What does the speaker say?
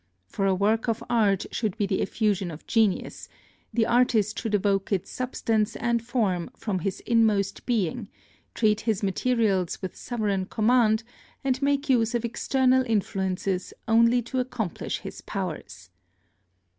For a work of art should be the effusion of genius, the artist should evoke its substance and form from his inmost being, treat his materials with sovereign command, and make use of external influences only to accomplish his powers.